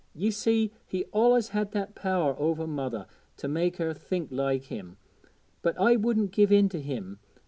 Ye sees he allus had that power over mother to make her think like him, but I wouldn't give in to him.